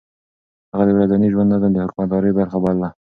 هغه د ورځني ژوند نظم د حکومتدارۍ برخه بلله.